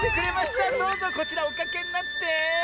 どうぞこちらおかけになって。